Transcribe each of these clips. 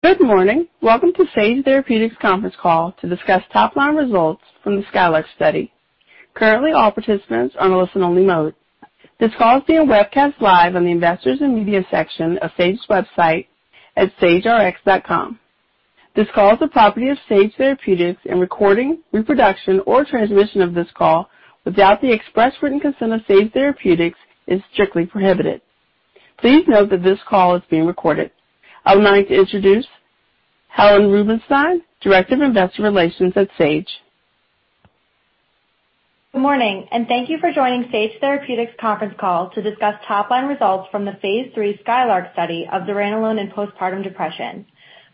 Good morning. Welcome to Sage Therapeutics conference call to discuss top-line results from the SKYLARK study. Currently, all participants are on a listen-only mode. This call is being webcast live on the Investors and Media section of Sage's website at sagerx.com. This call is the property of Sage Therapeutics, and recording, reproduction, or transmission of this call without the express written consent of Sage Therapeutics is strictly prohibited. Please note that this call is being recorded. I would like to introduce Helen Rubinstein, Director of Investor Relations at Sage. Good morning, and thank you for joining Sage Therapeutics conference call to discuss top-line results from the phase 3 SKYLARK study of Zuranolone in postpartum depression.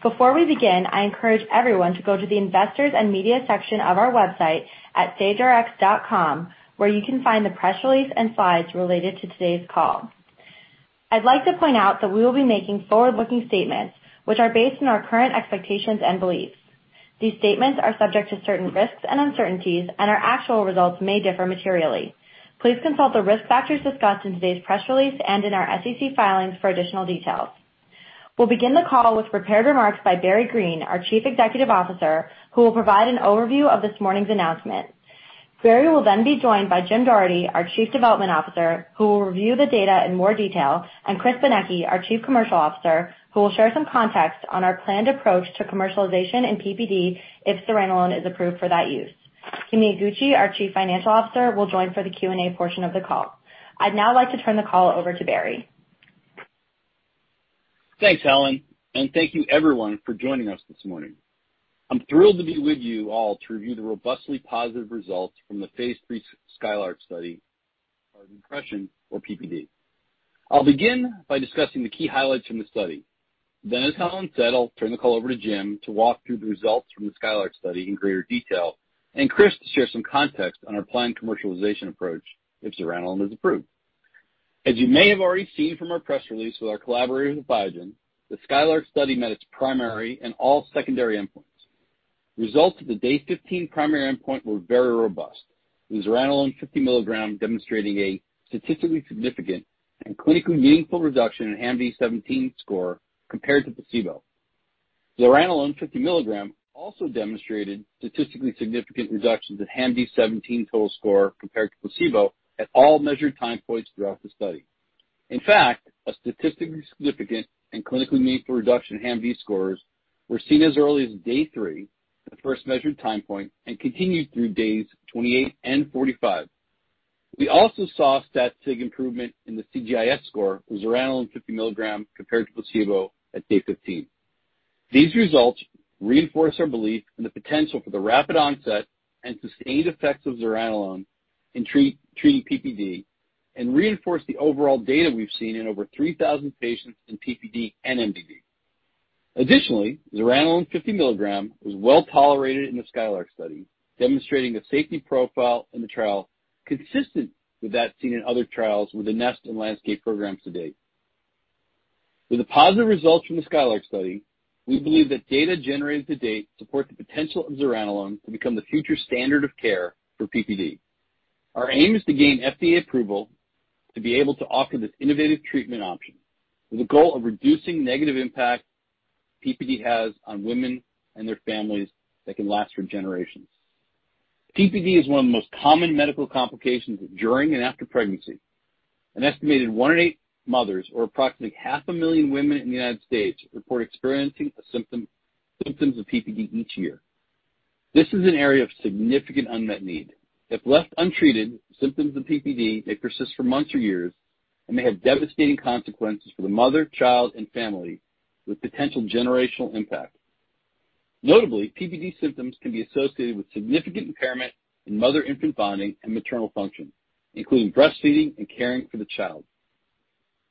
Before we begin, I encourage everyone to go to the Investors and Media section of our website at sagerx.com, where you can find the press release and slides related to today's call. I'd like to point out that we will be making forward-looking statements which are based on our current expectations and beliefs. These statements are subject to certain risks and uncertainties, and our actual results may differ materially. Please consult the risk factors discussed in today's press release and in our SEC filings for additional details. We'll begin the call with prepared remarks by Barry Greene, our Chief Executive Officer, who will provide an overview of this morning's announcement. Barry will then be joined by Jim Doherty, our Chief Development Officer, who will review the data in more detail, and Chris Benecchi, our Chief Commercial Officer, who will share some context on our planned approach to commercialization in PPD if Zuranolone is approved for that use. Kimi Iguchi, our Chief Financial Officer, will join for the Q&A portion of the call. I'd now like to turn the call over to Barry. Thanks, Helen, and thank you everyone for joining us this morning. I'm thrilled to be with you all to review the robustly positive results from the phase 3 SKYLARK study of depression or PPD. I'll begin by discussing the key highlights from the study. Then, as Helen said, I'll turn the call over to Jim to walk through the results from the SKYLARK study in greater detail and Chris to share some context on our planned commercialization approach if Zuranolone is approved. As you may have already seen from our press release with our collaborators at Biogen, the SKYLARK study met its primary and all secondary endpoints. Results of the day 15 primary endpoint were very robust, with Zuranolone 50 milligrams demonstrating a statistically significant and clinically meaningful reduction in HAMD-17 score compared to placebo. Zuranolone 50 milligrams also demonstrated statistically significant reductions in HAMD-17 total score compared to placebo at all measured time points throughout the study. In fact, a statistically significant and clinically meaningful reduction in HAMD scores were seen as early as day three, the first measured time point, and continued through days 28 and 45. We also saw stat sig improvement in the CGI-S score with Zuranolone 50 milligrams compared to placebo at day 15. These results reinforce our belief in the potential for the rapid onset and sustained effects of Zuranolone in treating PPD and reinforce the overall data we've seen in over 3,000 patients in PPD and MDD. Additionally, Zuranolone 50 milligram was well-tolerated in the SKYLARK study, demonstrating a safety profile in the trial consistent with that seen in other trials with the NEST and LANDSCAPE programs to date. With the positive results from the SKYLARK study, we believe that data generated to date support the potential of Zuranolone to become the future standard of care for PPD. Our aim is to gain FDA approval to be able to offer this innovative treatment option with the goal of reducing negative impact PPD has on women and their families that can last for generations. PPD is one of the most common medical complications during and after pregnancy. An estimated one in eight mothers, or approximately 500,000 women in the United States, report experiencing a symptom, symptoms of PPD each year. This is an area of significant unmet need. If left untreated, symptoms of PPD may persist for months or years and may have devastating consequences for the mother, child, and family, with potential generational impact. Notably, PPD symptoms can be associated with significant impairment in mother-infant bonding and maternal function, including breastfeeding and caring for the child.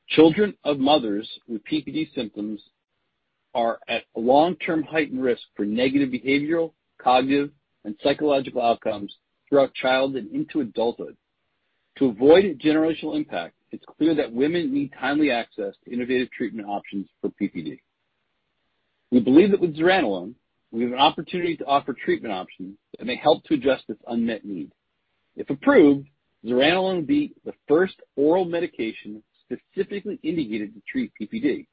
Children of mothers with PPD symptoms are at a long-term heightened risk for negative behavioral, cognitive, and psychological outcomes throughout childhood into adulthood. To avoid a generational impact, it's clear that women need timely access to innovative treatment options for PPD. We believe that with Zuranolone, we have an opportunity to offer treatment options that may help to address this unmet need. If approved, Zuranolone will be the first oral medication specifically indicated to treat PPD.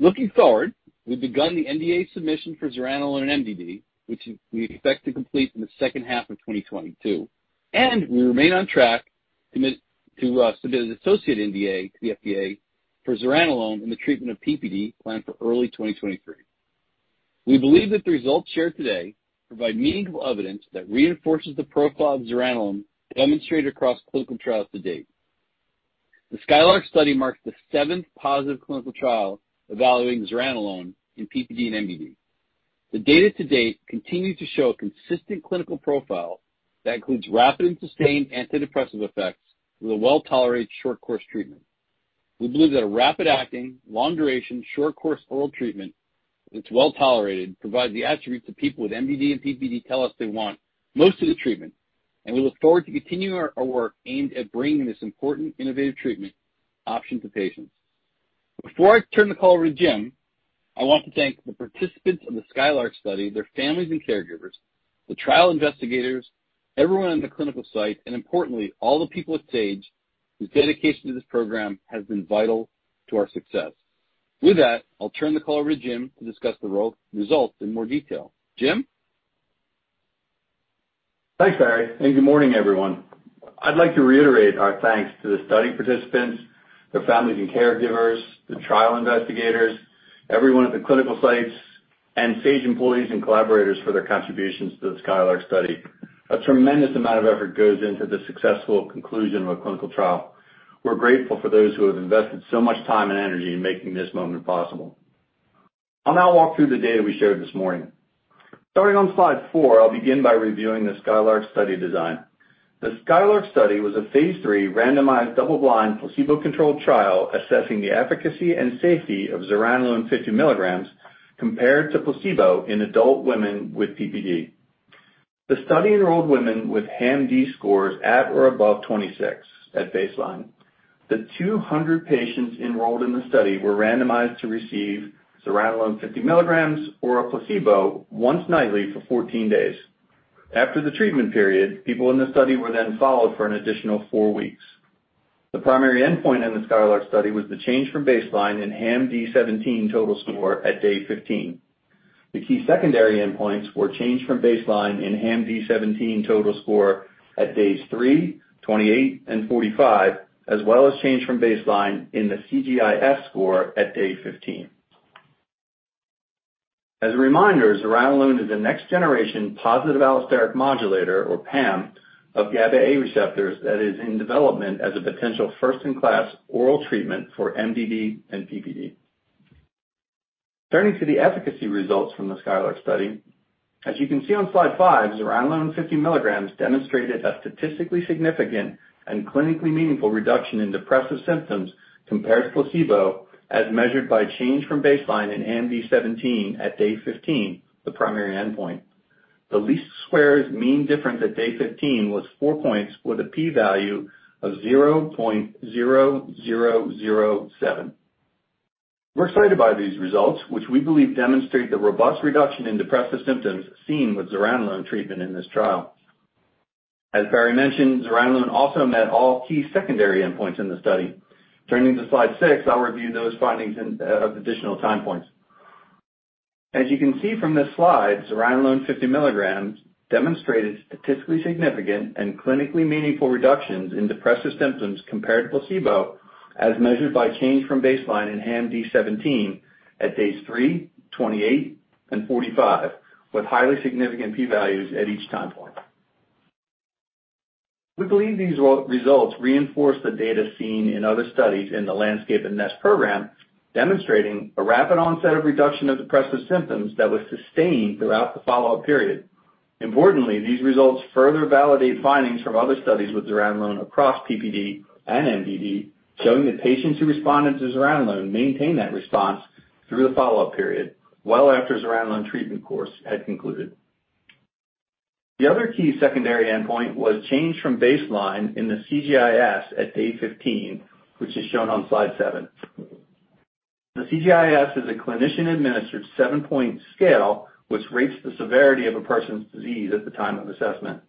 Looking forward, we've begun the NDA submission for Zuranolone MDD, which we expect to complete in the H2 of 2022, and we remain on track to submit an associated NDA to the FDA for Zuranolone in the treatment of PPD planned for early 2023. We believe that the results shared today provide meaningful evidence that reinforces the profile of Zuranolone demonstrated across clinical trials to date. The SKYLARK study marks the seventh positive clinical trial evaluating Zuranolone in PPD and MDD. The data to date continues to show a consistent clinical profile that includes rapid and sustained antidepressants effects with a well-tolerated short course treatment. We believe that a rapid-acting, long-duration, short-course oral treatment that's well-tolerated provides the attributes that people with MDD and PPD tell us they want most of the treatment, and we look forward to continuing our work aimed at bringing this important innovative treatment option to patients. Before I turn the call over to Jim, I want to thank the participants of the SKYLARK study, their families and caregivers, the trial investigators, everyone on the clinical site, and importantly, all the people at Sage. Whose dedication to this program has been vital to our success. With that, I'll turn the call over to Jim to discuss the results in more detail. Jim? Thanks, Barry, and good morning, everyone. I'd like to reiterate our thanks to the study participants, their families and caregivers, the trial investigators, everyone at the clinical sites, and Sage employees and collaborators for their contributions to the Skylark study. A tremendous amount of effort goes into the successful conclusion of a clinical trial. We're grateful for those who have invested so much time and energy in making this moment possible. I'll now walk through the data we shared this morning. Starting on slide 4, I'll begin by reviewing the Skylark study design. The Skylark study was a phase III randomized double-blind placebo-controlled trial assessing the efficacy and safety of Zuranolone 50 milligrams compared to placebo in adult women with PPD. The study enrolled women with HAM-D scores at or above 26 at baseline. The 200 patients enrolled in the study were randomized to receive Zuranolone 50 milligrams or a placebo once nightly for 14 days. After the treatment period, people in the study were then followed for an additional four weeks. The primary endpoint in the SKYLARK study was the change from baseline in HAMD-17 total score at day 15. The key secondary endpoints were the change from baseline in HAMD-17 total score at days three, 28, and 45, as well as change from baseline in the CGI-S score at day 15. As a reminder, Zuranolone is a next generation positive allosteric modulator or PAM of GABA A receptors that is in development as a potential first in class oral treatment for MDD and PPD. Turning to the efficacy results from the SKYLARK study. As you can see on slide 5, Zuranolone 50 milligrams demonstrated a statistically significant and clinically meaningful reduction in depressive symptoms compared to placebo, as measured by change from baseline in HAM-D-17 at day 15, the primary endpoint. The least squares mean difference at day 15 was four points with a p-value of 0.0007. We're excited by these results, which we believe demonstrate the robust reduction in depressive symptoms seen with Zuranolone treatment in this trial. As Barry mentioned, Zuranolone also met all key secondary endpoints in the study. Turning to slide 6, I'll review those findings in additional time points. As you can see from this slide, Zuranolone 50 milligrams demonstrated statistically significant and clinically meaningful reductions in depressive symptoms compared to placebo, as measured by change from baseline in HAMD-17 at days three, 28, and 45, with highly significant p-values at each time point. We believe these results reinforce the data seen in other studies in the LANDSCAPE and NEST program, demonstrating a rapid onset of reduction of depressive symptoms that was sustained throughout the follow-up period. Importantly, these results further validate findings from other studies with zuranolone across PPD and MDD, showing that patients who responded to zuranolone maintain that response through the follow-up period, well after zuranolone treatment course had concluded. The other key secondary endpoint was change from baseline in the CGI-S at day 15, which is shown on slide 7. The CGI-S is a clinician-administered 7-point scale which rates the severity of a person's disease at the time of assessment.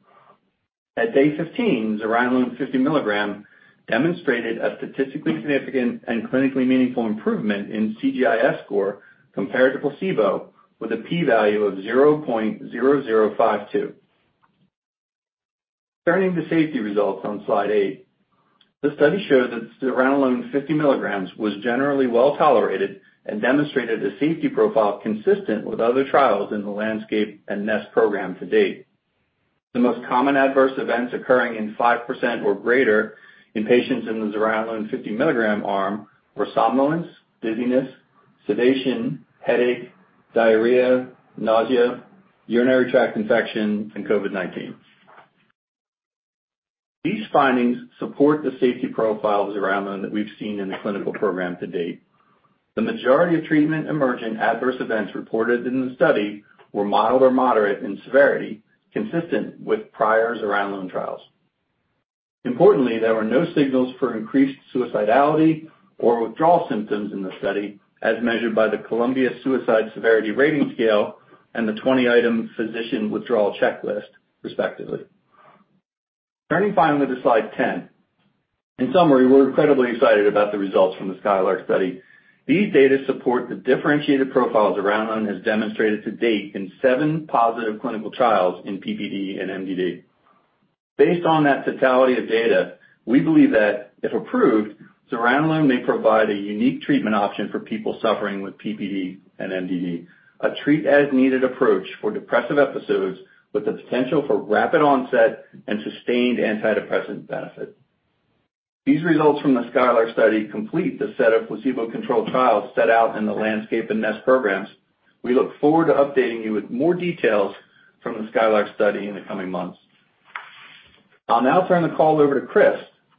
At day 15, Zuranolone 50 mg demonstrated a statistically significant and clinically meaningful improvement in CGI-S score compared to placebo with a p-value of 0.0052. Turning to safety results on slide 8. The study showed that Zuranolone 50 mg was generally well-tolerated and demonstrated a safety profile consistent with other trials in the LANDSCAPE and NEST program to date. The most common adverse events occurring in 5% or greater in patients in the Zuranolone 50 mg arm were somnolence, dizziness, sedation, headache, diarrhea, nausea, urinary tract infection, and COVID-19. These findings support the safety profile of Zuranolone that we've seen in the clinical program to date. The majority of treatment-emerging adverse events reported in the study were mild or moderate in severity, consistent with prior Zuranolone trials. Importantly, there were no signals for increased suicidality or withdrawal symptoms in the study as measured by the Columbia-Suicide Severity Rating Scale and the 20-item Physician Withdrawal Checklist, respectively. Turning finally to slide 10. In summary, we're incredibly excited about the results from the SKYLARK study. These data support the differentiated profile Zuranolone has demonstrated to date in seven positive clinical trials in PPD and MDD. Based on that totality of data, we believe that, if approved, Zuranolone may provide a unique treatment option for people suffering with PPD and MDD. A treat as needed approach for depressive episodes with the potential for rapid onset and sustained antidepressant benefit. These results from the SKYLARK study complete the set of placebo-controlled trials set out in the LANDSCAPE and NEST programs. We look forward to updating you with more details from the SKYLARK study in the coming months. I'll now turn the call over to Chris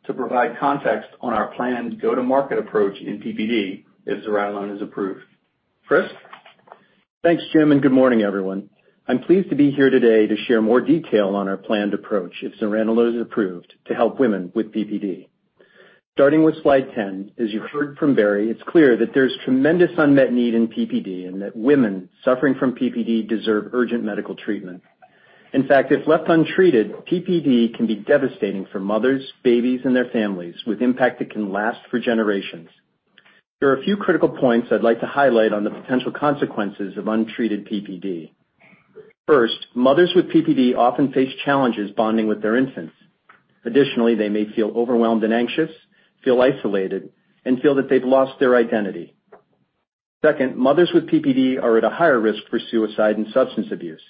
to provide context on our planned go-to-market approach in PPD if zuranolone is approved. Chris? Thanks, Jim, and good morning, everyone. I'm pleased to be here today to share more detail on our planned approach if zuranolone is approved to help women with PPD. Starting with slide 10, as you heard from Barry, it's clear that there's tremendous unmet need in PPD and that women suffering from PPD deserve urgent medical treatment. In fact, if left untreated, PPD can be devastating for mothers, babies, and their families with impact that can last for generations. There are a few critical points I'd like to highlight on the potential consequences of untreated PPD. First, mothers with PPD often face challenges bonding with their infants. Additionally, they may feel overwhelmed and anxious, feel isolated, and feel that they've lost their identity. Second, mothers with PPD are at a higher risk for suicide and substance abuse.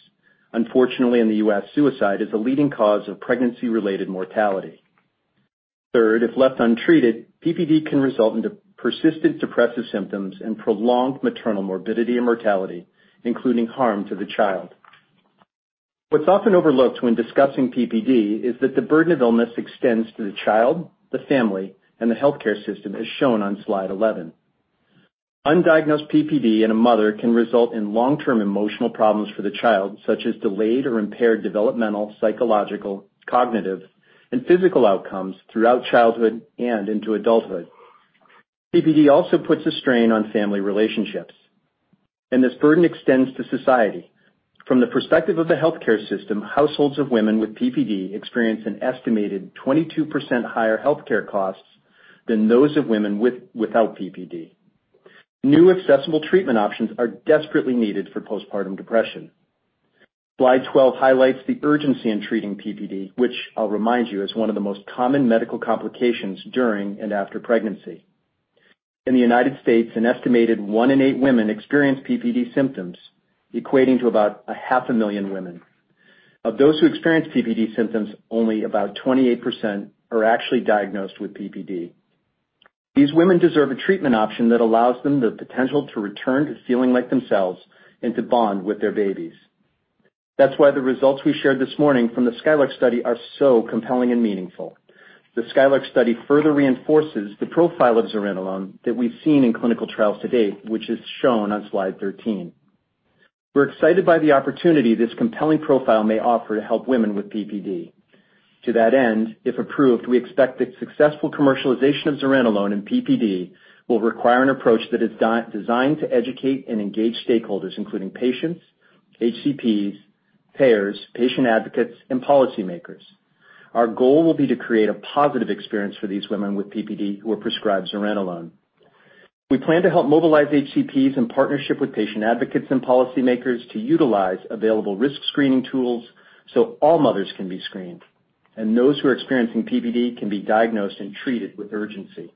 Unfortunately, in the U.S., suicide is a leading cause of pregnancy-related mortality. Third, if left untreated, PPD can result into persistent depressive symptoms and prolonged maternal morbidity and mortality, including harm to the child. What's often overlooked when discussing PPD is that the burden of illness extends to the child, the family, and the healthcare system, as shown on slide 11. Undiagnosed PPD in a mother can result in long-term emotional problems for the child, such as delayed or impaired developmental, psychological, cognitive, and physical outcomes throughout childhood and into adulthood. PPD also puts a strain on family relationships, and this burden extends to society. From the perspective of the healthcare system, households of women with PPD experience an estimated 22% higher healthcare costs than those of women without PPD. New accessible treatment options are desperately needed for postpartum depression. Slide 12 highlights the urgency in treating PPD, which I'll remind you, is one of the most common medical complications during and after pregnancy. In the United States, an estimated one in eight women experience PPD symptoms, equating to about a half a million women. Of those who experience PPD symptoms, only about 28% are actually diagnosed with PPD. These women deserve a treatment option that allows them the potential to return to feeling like themselves and to bond with their babies. That's why the results we shared this morning from the SKYLARK study are so compelling and meaningful. The SKYLARK study further reinforces the profile of that we've seen in clinical trials to date, which is shown on slide 13. We're excited by the opportunity this compelling profile may offer to help women with PPD. To that end, if approved, we expect that successful commercialization of Zuranolone in PPD will require an approach that is designed to educate and engage stakeholders, including patients, HCPs, payers, patient advocates, and policymakers. Our goal will be to create a positive experience for these women with PPD who are prescribed Zuranolone. We plan to help mobilize HCPs in partnership with patient advocates and policymakers to utilize available risk screening tools so all mothers can be screened and those who are experiencing PPD can be diagnosed and treated with urgency.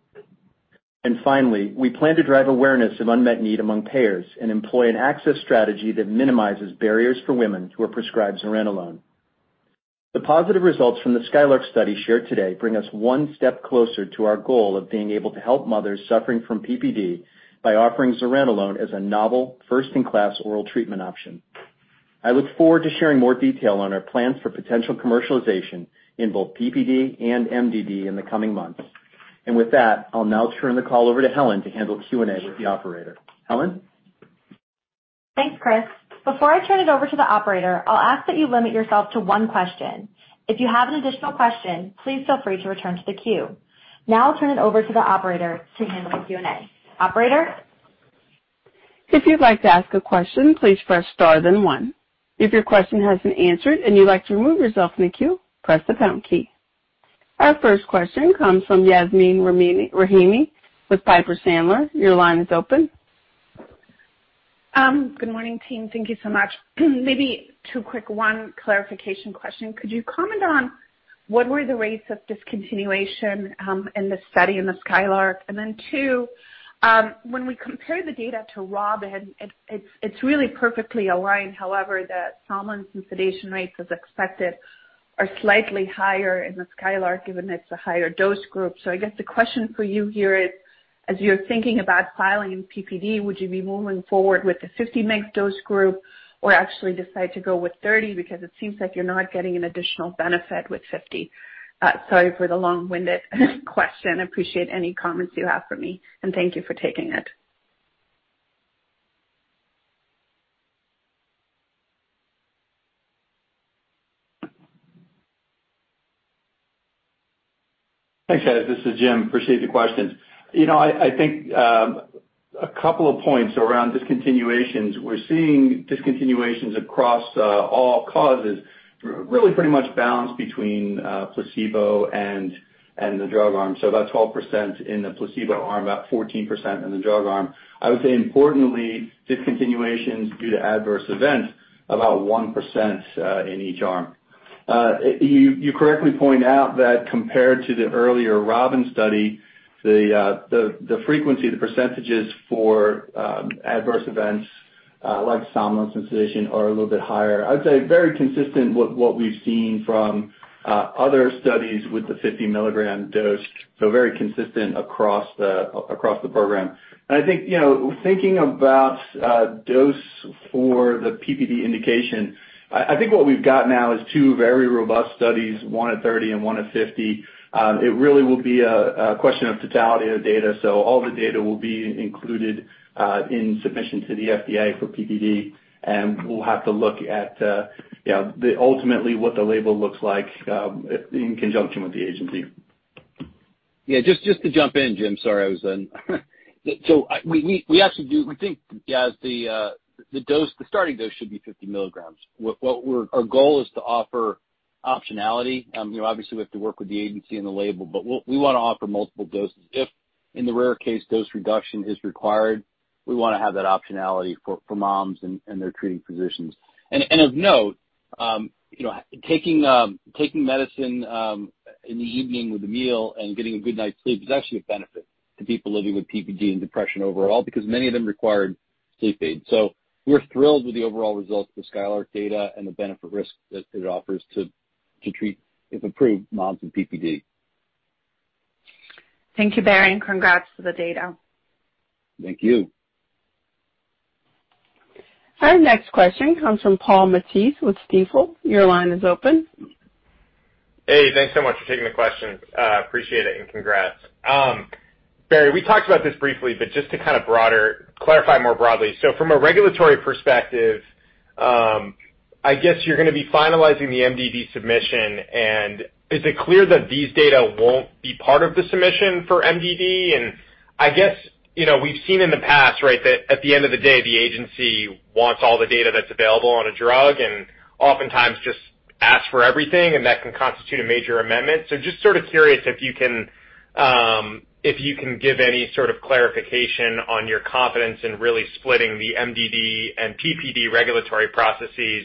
Finally, we plan to drive awareness of unmet need among payers and employ an access strategy that minimizes barriers for women who are prescribed Zuranolone. The positive results from the SKYLARK study shared today bring us one step closer to our goal of being able to help mothers suffering from PPD by offering Zuranolone as a novel first-in-class oral treatment option. I look forward to sharing more detail on our plans for potential commercialization in both PPD and MDD in the coming months. With that, I'll now turn the call over to Helen to handle Q&A with the operator. Helen? Thanks, Chris. Before I turn it over to the operator, I'll ask that you limit yourself to one question. If you have an additional question, please feel free to return to the queue. Now I'll turn it over to the operator to handle the Q&A. Operator? If you'd like to ask a question, please press star then one. If your question has been answered and you'd like to remove yourself from the queue, press the pound key. Our first question comes from Yasmeen Rahimi with Piper Sandler. Your line is open. Good morning, team. Thank you so much. Maybe two quick, one clarification question. Could you comment on what were the rates of discontinuation in the study in the SKYLARK? Then two, when we compare the data to ROBIN, it's really perfectly aligned. However, the somnolence and sedation rates as expected are slightly higher in the SKYLARK given it's a higher dose group. I guess the question for you here is, as you're thinking about filing in PPD, would you be moving forward with the 50 mg dose group or actually decide to go with 30 because it seems like you're not getting an additional benefit with 50? Sorry for the long-winded question. Appreciate any comments you have for me, and thank you for taking it. Thanks, guys. This is Jim. Appreciate the questions. You know, I think a couple of points around discontinuations. We're seeing discontinuations across all causes really pretty much balanced between placebo and the drug arm. About 12% in the placebo arm, about 14% in the drug arm. I would say importantly, discontinuations due to adverse events about 1% in each arm. You correctly point out that compared to the earlier ROBIN study, the frequency, the percentages for adverse events like somnolence and sedation are a little bit higher. I'd say very consistent with what we've seen from other studies with the 50-milligram dose, so very consistent across the program. I think, you know, thinking about dose for the PPD indication, I think what we've got now is two very robust studies, one at 30 and one at 50. It really will be a question of totality of data. All the data will be included in submission to the FDA for PPD, and we'll have to look at, you know, ultimately what the label looks like in conjunction with the agency. Yeah, just to jump in, Jim. Sorry. We actually do think yes, the dose, the starting dose should be 50 milligrams, what we're, our goal is to offer optionality. You know, obviously, we have to work with the agency and the label, but we wanna offer multiple doses. If in the rare case dose reduction is required, we wanna have that optionality for moms and their treating physicians. Of note, you know, taking medicine in the evening with a meal and getting a good night's sleep is actually a benefit to people living with PPD and depression overall because many of them required sleep aid. We're thrilled with the overall results of the SKYLARK data and the benefit risk that it offers to treat, if approved, moms with PPD. Thank you, Barry, and congrats for the data. Thank you. Our next question comes from Paul Matteis with Stifel. Your line is open. Hey, thanks so much for taking the question. Appreciate it and congrats. Barry, we talked about this briefly, but just to clarify more broadly. From a regulatory perspective, I guess you're gonna be finalizing the MDD submission, and is it clear that these data won't be part of the submission for MDD? I guess, you know, we've seen in the past, right, that at the end of the day, the agency wants all the data that's available on a drug and oftentimes just asks for everything, and that can constitute a major amendment. Just sort of curious if you can give any sort of clarification on your confidence in really splitting the MDD and PPD regulatory processes,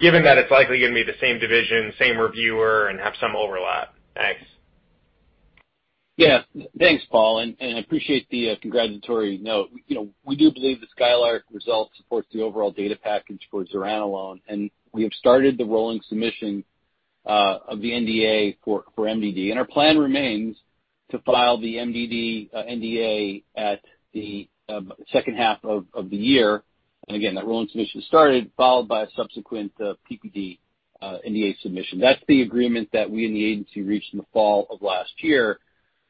given that it's likely gonna be the same division, same reviewer, and have some overlap. Thanks. Yeah. Thanks, Paul, and appreciate the congratulatory note. You know, we do believe the SKYLARK result supports the overall data package for Zuranolone, and we have started the rolling submission of the NDA for MDD. Our plan remains to file the MDD NDA at the H2 of the year. Again, that rolling submission started, followed by a subsequent PPD NDA submission. That's the agreement that we and the agency reached in the fall of last year,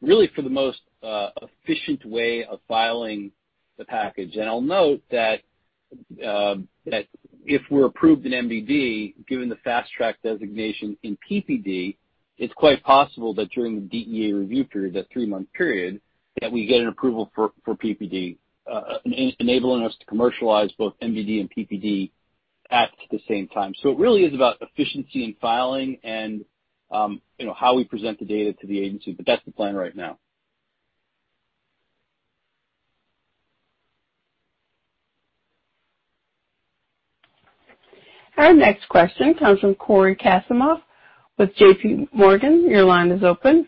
really for the most efficient way of filing the package. I'll note that if we're approved in MDD, given the fast-track designation in PPD, it's quite possible that during the DEA review period, that three-month period, that we get an approval for PPD, enabling us to commercialize both MDD and PPD at the same time. It really is about efficiency in filing and, you know, how we present the data to the agency, but that's the plan right now. Our next question comes from Cory Kasimov with JPMorgan. Your line is open.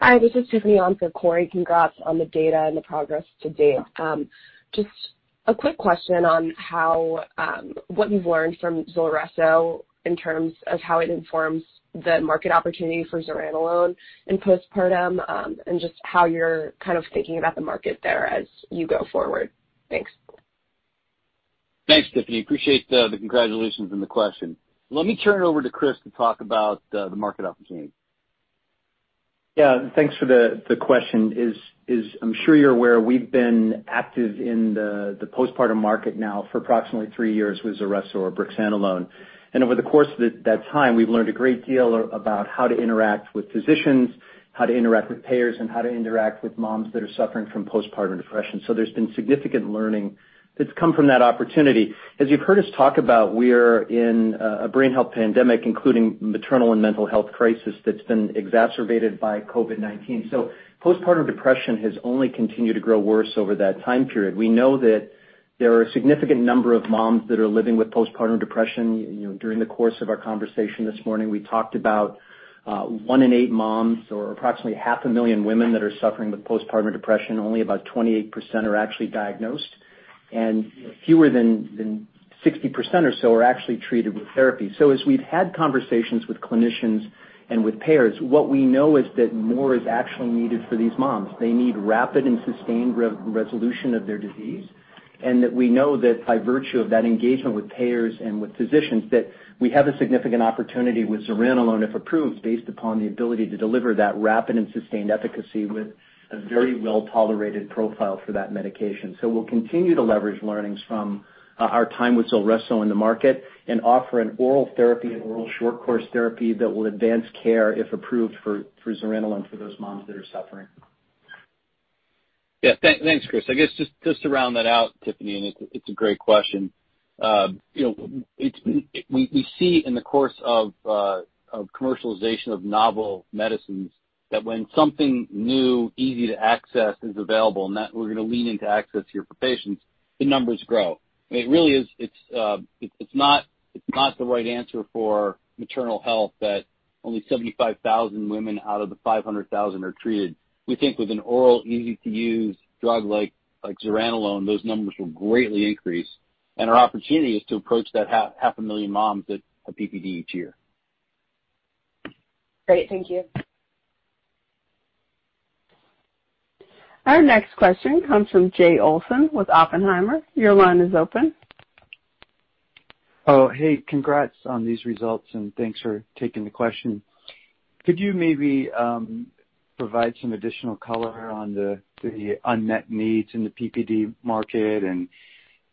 Hi, this is Tiffany on for Cory Kasimov. Congrats on the data and the progress to date. Just a quick question on how what you've learned from ZULRESSO in terms of how it informs the market opportunity for Zuranolone in postpartum and just how you're kind of thinking about the market there as you go forward. Thanks. Thanks, Tiffany. Appreciate the congratulations and the question. Let me turn it over to Chris to talk about the market opportunity. Yeah. Thanks for the question. I'm sure you're aware we've been active in the postpartum market now for approximately three years with ZULRESSO or Brexanolone. Over the course of that time, we've learned a great deal about how to interact with physicians, how to interact with payers and how to interact with moms that are suffering from postpartum depression. There's been significant learning that's come from that opportunity. As you've heard us talk about, we're in a brain health pandemic, including maternal and mental health crisis that's been exacerbated by COVID-19. Postpartum depression has only continued to grow worse over that time period. We know that there are a significant number of moms that are living with postpartum depression. You know, during the course of our conversation this morning, we talked about one in eight moms or approximately half a million women that are suffering with postpartum depression. Only about 28% are actually diagnosed, and fewer than 60% or so are actually treated with therapy. As we've had conversations with clinicians and with payers, what we know is that more is actually needed for these moms. They need rapid and sustained re-resolution of their disease. That we know that by virtue of that engagement with payers and with physicians, that we have a significant opportunity with Zuranolone, if approved, based upon the ability to deliver that rapid and sustained efficacy with a very well-tolerated profile for that medication. We'll continue to leverage learnings from our time with ZULRESSO in the market and offer an oral therapy, an oral short course therapy that will advance care if approved for Zuranolone for those moms that are suffering. Yeah. Thanks, Chris. I guess just to round that out, Tiffany, and it's a great question. You know, we see in the course of commercialization of novel medicines that when something new, easy to access is available, and that we're gonna lean into access here for patients, the numbers grow. I mean, it really is. It's not the right answer for maternal health that only 75,000 women out of the 500,000 are treated. We think with an oral, easy-to-use drug like Zuranolone, those numbers will greatly increase, and our opportunity is to approach that 500,000 moms that have PPD each year. Great. Thank you. Our next question comes from Jay Olson with Oppenheimer. Your line is open. Oh, hey, congrats on these results, and thanks for taking the question. Could you maybe provide some additional color on the unmet needs in the PPD market and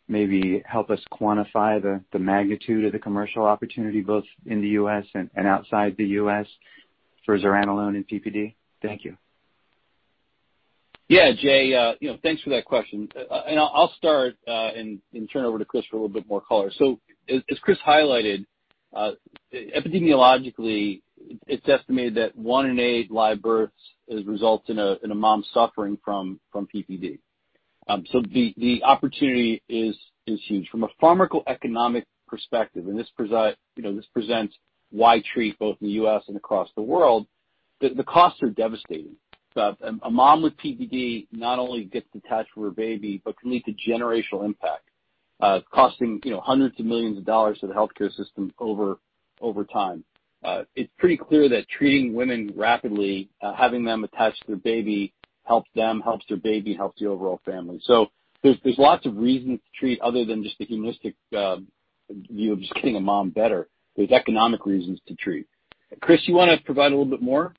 maybe help us quantify the magnitude of the commercial opportunity both in the U.S. and outside the U.S. for Zuranolone in PPD? Thank you. Yeah, Jay, you know, thanks for that question. I'll start and turn over to Chris for a little bit more color. As Chris highlighted, epidemiologically, it's estimated that one in eight live births results in a mom suffering from PPD. The opportunity is huge. From a pharmacoeconomic perspective, you know, this presents why to treat both in the U.S. and across the world, the costs are devastating. A mom with PPD not only gets detached from her baby, but can lead to generational impact, costing, you know, hundreds of millions of dollars to the healthcare system over time. It's pretty clear that treating women rapidly, having them attached to their baby helps them, helps their baby, helps the overall family. There's lots of reasons to treat other than just the humanistic view of just getting a mom better. There's economic reasons to treat. Chris, you wanna provide a little bit more?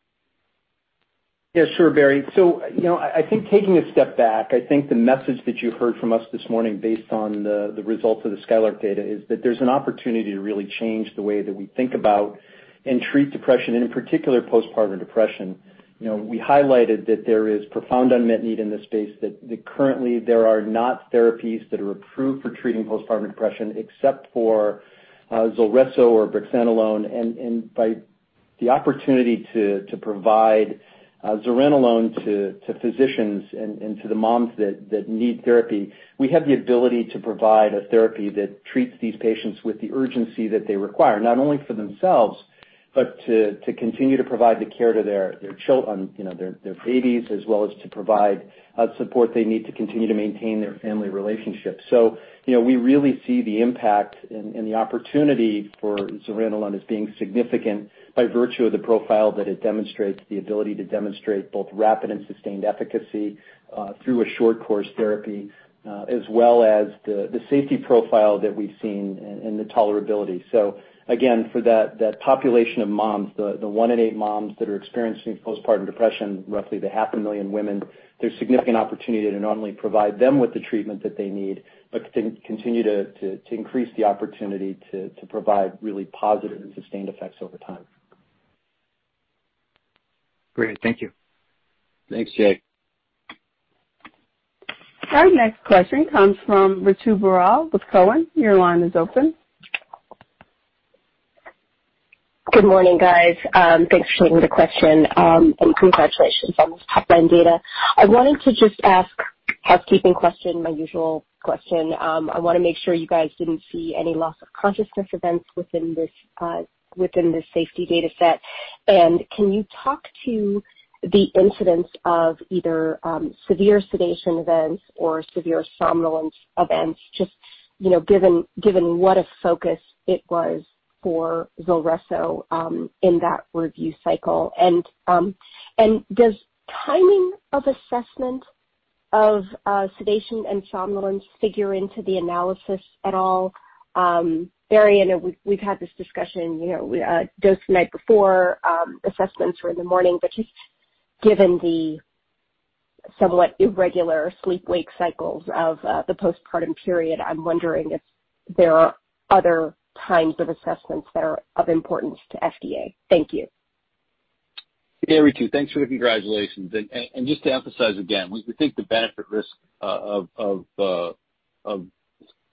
Yeah, sure, Barry. You know, I think taking a step back, I think the message that you heard from us this morning, based on the results of the SKYLARK data, is that there's an opportunity to really change the way that we think about and treat depression, and in particular, postpartum depression. You know, we highlighted that there is profound unmet need in this space that currently there are not therapies that are approved for treating postpartum depression except for ZULRESSO or Brexanolone. By the opportunity to provide Zuranolone to physicians and to the moms that need therapy, we have the ability to provide a therapy that treats these patients with the urgency that they require, not only for themselves, but to continue to provide the care to their babies, you know, as well as to provide support they need to continue to maintain their family relationships. You know, we really see the impact and the opportunity for Zuranolone as being significant by virtue of the profile that it demonstrates, the ability to demonstrate both rapid and sustained efficacy through a short course therapy, as well as the safety profile that we've seen and the tolerability. Again, for that population of moms, the one in eight moms that are experiencing postpartum depression, roughly the half a million women, there's significant opportunity to not only provide them with the treatment that they need, but to continue to increase the opportunity to provide really positive and sustained effects over time. Great. Thank you. Thanks, Jay. Our next question comes from Ritu Baral with Cowen. Your line is open. Good morning, guys. Thanks for taking the question. Congratulations on this top-line data. I wanted to just ask housekeeping question, my usual question. I wanna make sure you guys didn't see any loss of consciousness events within this safety data set. Can you talk to the incidence of either severe sedation events or severe somnolence events, just, you know, given what a focus it was for ZULRESSO in that review cycle? Does timing of assessment of sedation and somnolence figure into the analysis at all? Barry, I know we've had this discussion, you know, dose the night before, assessments were in the morning. Just given the somewhat irregular sleep-wake cycles of the postpartum period, I'm wondering if there are other times of assessments that are of importance to FDA. Thank you. Yeah, Ritu, thanks for the congratulations. Just to emphasize again, we think the benefit risk of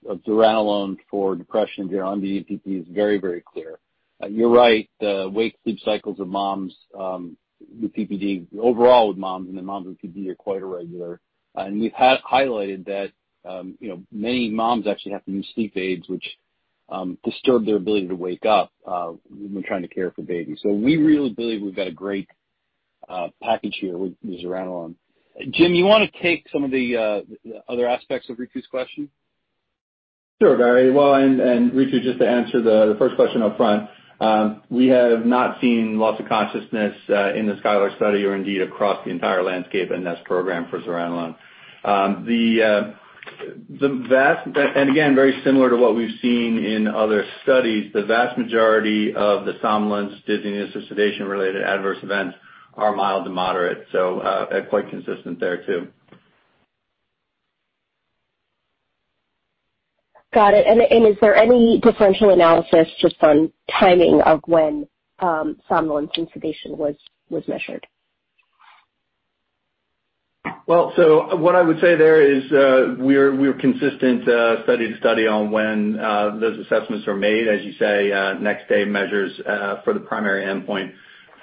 Zuranolone for depression here on PPD is very, very clear. You're right, the wake-sleep cycles of moms with PPD, overall with moms and the moms with PPD are quite irregular. We've highlighted that, you know, many moms actually have to use sleep aids, which disturb their ability to wake up when trying to care for babies. We really believe we've got a great package here with Zuranolone. Jim, you wanna take some of the other aspects of Ritu's question? Sure, Barry. Well, Ritu, just to answer the first question up front, we have not seen loss of consciousness in the SKYLARK study or indeed across the entire LANDSCAPE in this program for Zuranolone. Again, very similar to what we've seen in other studies, the vast majority of the somnolence, dizziness, or sedation-related adverse events are mild to moderate. Quite consistent there too. Got it. Is there any differential analysis just on timing of when somnolence and sedation was measured? What I would say there is, we're consistent study to study on when those assessments are made. As you say, next day measures for the primary endpoint.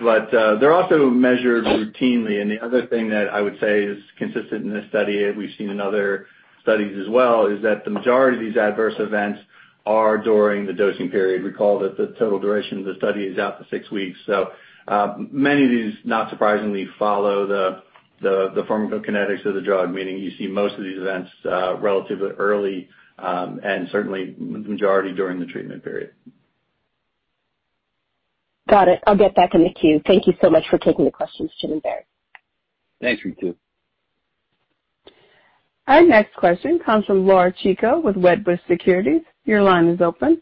But they're also measured routinely. The other thing that I would say is consistent in this study, we've seen in other studies as well, is that the majority of these adverse events are during the dosing period. Recall that the total duration of the study is out to six weeks. Many of these, not surprisingly, follow the pharmacokinetics of the drug, meaning you see most of these events relatively early, and certainly majority during the treatment period. Got it. I'll get back in the queue. Thank you so much for taking the questions, Jim and Barry. Thanks, Ritu. Our next question comes from Laura Chico with Wedbush Securities. Your line is open.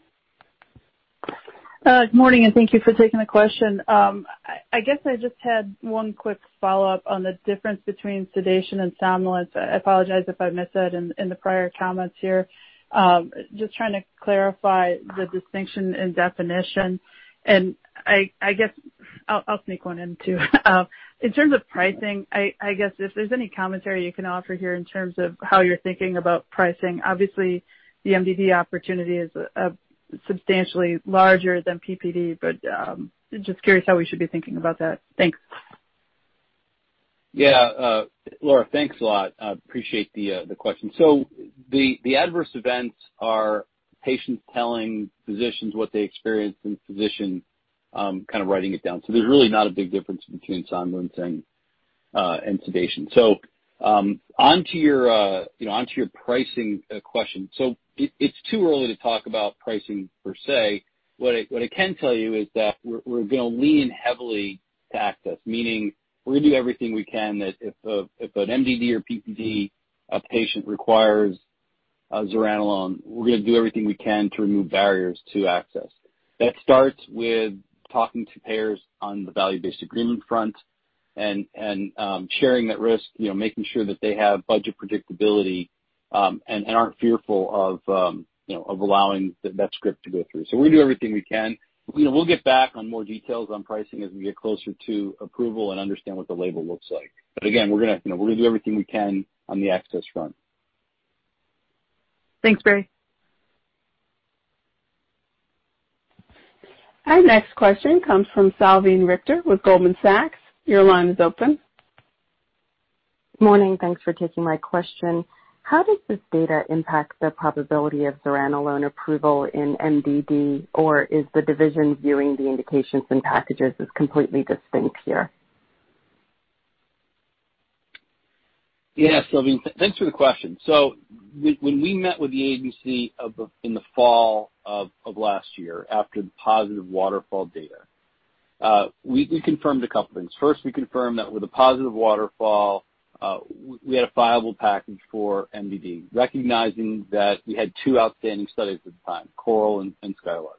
Good morning, and thank you for taking the question. I guess I just had one quick follow-up on the difference between sedation and somnolence. I apologize if I missed that in the prior comments here. Just trying to clarify the distinction in definition. I guess I'll sneak one in too. In terms of pricing, I guess if there's any commentary you can offer here in terms of how you're thinking about pricing. Obviously, the MDD opportunity is substantially larger than PPD, but just curious how we should be thinking about that. Thanks. Yeah. Laura, thanks a lot. I appreciate the question. The adverse events are patients telling physicians what they experienced, and the physician kind of writing it down. There's really not a big difference between somnolence and sedation. Onto your, you know, pricing question. It's too early to talk about pricing per se. What I can tell you is that we're gonna lean heavily to access. Meaning we're gonna do everything we can that if an MDD or PPD patient requires Zuranolone, we're gonna do everything we can to remove barriers to access. That starts with talking to payers on the value-based agreement front and sharing that risk, you know, making sure that they have budget predictability, and aren't fearful of, you know, of allowing that script to go through. We'll do everything we can. You know, we'll get back on more details on pricing as we get closer to approval and understand what the label looks like. Again, we're gonna, you know, do everything we can on the access front. Thanks, Barry. Our next question comes from Salveen Richter with Goldman Sachs. Your line is open. Morning. Thanks for taking my question. How does this data impact the probability of Zuranolone approval in MDD, or is the division viewing the indications and packages as completely distinct here? Yeah, Salveen, thanks for the question. When we met with the agency in the fall of last year after the positive WATERFALL data, we confirmed a couple things. First, we confirmed that with a positive WATERFALL, we had a viable package for MDD, recognizing that we had two outstanding studies at the time, CORAL and SKYLARK.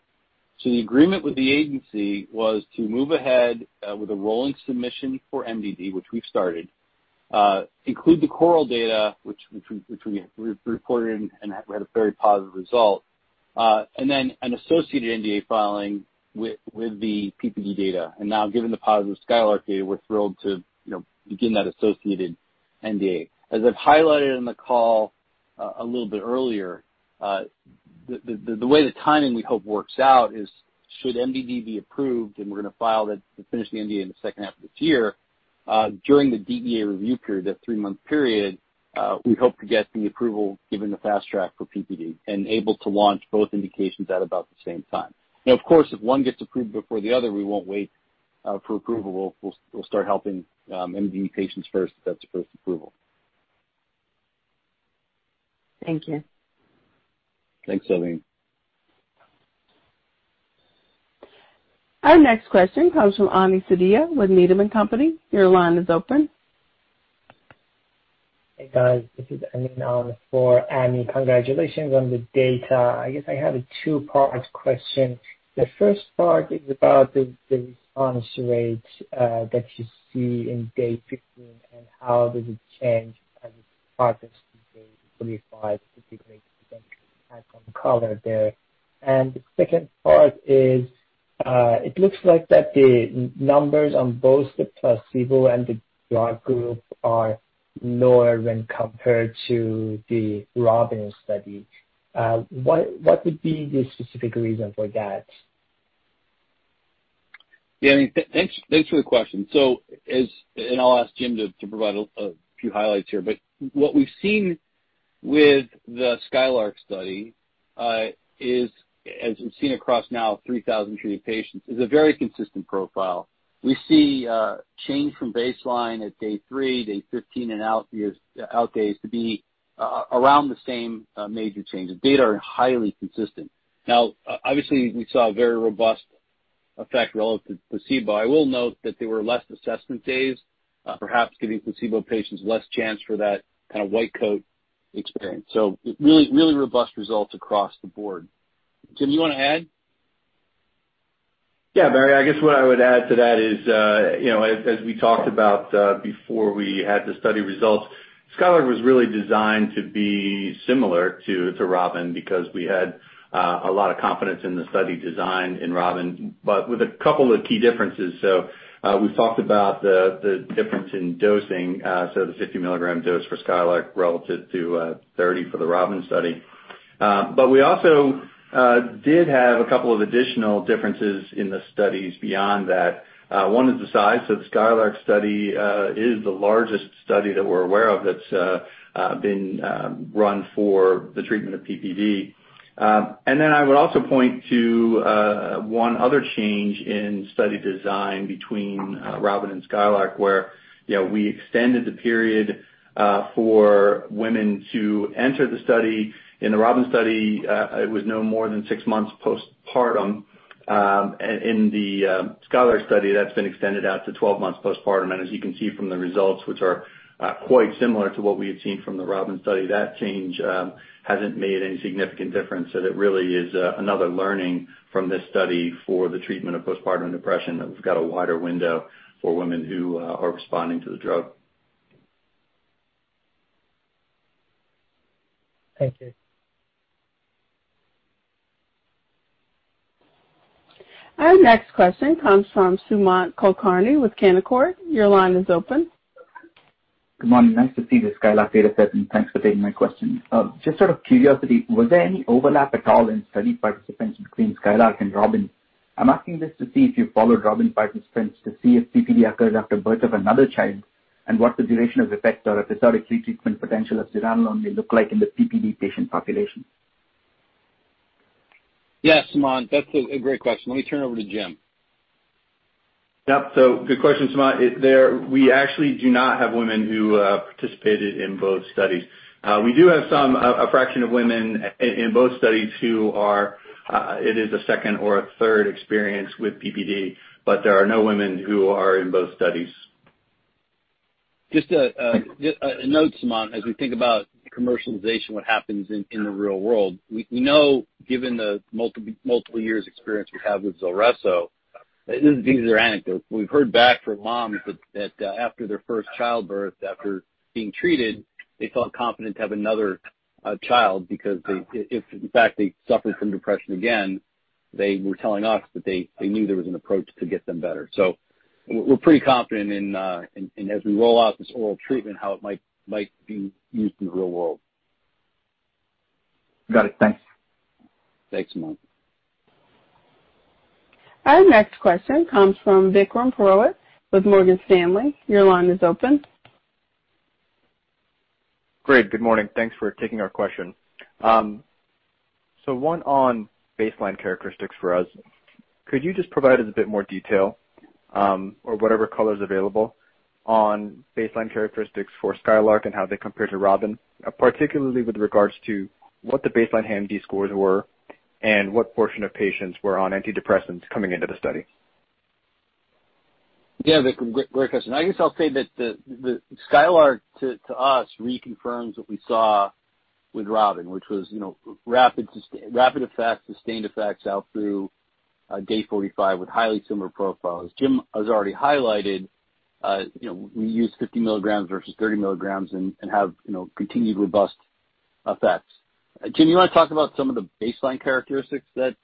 The agreement with the agency was to move ahead with a rolling submission for MDD, which we've started, include the CORAL data which we reported and had a very positive result, and then an associated NDA filing with the PPD data. Now given the positive SKYLARK data, we're thrilled to, you know, begin that associated NDA. As I've highlighted in the call a little bit earlier, the way the timing we hope works out is should MDD be approved, and we're gonna file that to finish the NDA in the H2 of this year, during the DEA review period, that three-month period, we hope to get the approval given the fast track for PPD and able to launch both indications at about the same time. Now, of course, if one gets approved before the other, we won't wait for approval. We'll start helping MDD patients first if that's the first approval. Thank you. Thanks, Salveen. Our next question comes from Ami Fadia with Needham & Company. Your line is open. Hey, guys, this is Amin for Ami Fadia. Congratulations on the data. I guess I have a two-part question. The first part is about the response rates that you see in day 15, and how does it change as participants. Yeah. Ami, thanks for the question. I'll ask Jim to provide a few highlights here, but what we've seen with the SKYLARK study is, as we've seen across now 3,000 treated patients, a very consistent profile. We see change from baseline at day three, day 15 and outdays to be around the same major change. The data are highly consistent. Now, obviously, we saw a very robust effect relative to placebo. I will note that there were less assessment days, perhaps giving placebo patients less chance for that kind of white coat experience. Really robust results across the board. Jim, you wanna add? Yeah, Barry, I guess what I would add to that is, you know, as we talked about before we had the study results, SKYLARK was really designed to be similar to ROBIN because we had a lot of confidence in the study design in ROBIN, but with a couple of key differences. We've talked about the difference in dosing, so the 50 milligram dose for SKYLARK relative to 30 for the ROBIN study. But we also did have a couple of additional differences in the studies beyond that. One is the size. The SKYLARK study is the largest study that we're aware of that's been run for the treatment of PPD. I would also point to one other change in study design between ROBIN and SKYLARK, where you know we extended the period for women to enter the study. In the ROBIN study it was no more than six months postpartum. In the SKYLARK study that's been extended out to 12 months postpartum. As you can see from the results, which are quite similar to what we had seen from the ROBIN study, that change hasn't made any significant difference. That really is another learning from this study for the treatment of postpartum depression, that we've got a wider window for women who are responding to the drug. Thank you. Our next question comes from Sumant Kulkarni with Canaccord. Your line is open. Good morning. Nice to see the SKYLARK data set, and thanks for taking my question. Just out of curiosity, was there any overlap at all in study participants between SKYLARK and ROBIN? I'm asking this to see if you followed ROBIN participants to see if PPD occurred after birth of another child, and what the duration of effect or episodic retreatment potential of Zuranolone may look like in the PPD patient population. Yes, Sumant, that's a great question. Let me turn it over to Jim. Yep. Good question, Sumant. We actually do not have women who participated in both studies. We do have some, a fraction of women in both studies who are, it is a second or a third experience with PPD, but there are no women who are in both studies. Just a note, Sumant. As we think about commercialization, what happens in the real world, we know given the multiple years experience we have with ZULRESSO, these are anecdotes. We've heard back from moms that after their first childbirth, after being treated, they felt confident to have another child because they, if in fact they suffered from depression again, they were telling us that they knew there was an approach to get them better. We're pretty confident in as we roll out this oral treatment how it might be used in the real world. Got it. Thanks. Thanks, Sumant. Our next question comes from Vikram Purohit with Morgan Stanley. Your line is open. Great. Good morning. Thanks for taking our question. One on baseline characteristics for us. Could you just provide us a bit more detail, or whatever color's available, on baseline characteristics for SKYLARK and how they compare to ROBIN, particularly with regards to what the baseline HAM-D scores were and what portion of patients were on antidepressants coming into the study? Yeah, Vikram. Great question. I guess I'll say that the SKYLARK to us reconfirms what we saw with ROBIN, which was, you know, rapid effects, sustained effects out through day 45 with highly similar profiles. Jim has already highlighted, you know, we use 50 milligrams versus 30 milligrams and have, you know, continued robust effects. Jim, you wanna talk about some of the baseline characteristics that